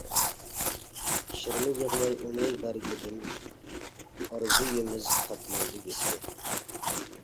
شىرنە يىغماي ئۇنىڭ بەرگىدىن، ئارزۇيىمىز تاپمايدۇ ۋىسال.